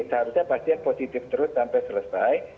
seharusnya pasien positif terus sampai selesai